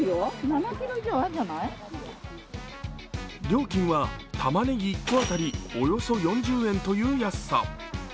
料金は玉ねぎ１個当たりおよそ４０円という安さ。